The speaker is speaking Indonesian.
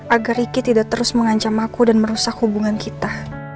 agar ricky tidak terus mengancam aku dan merusak hubungan kita